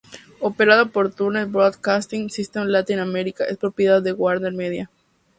Operada por Turner Broadcasting System Latin America, es propiedad de WarnerMedia.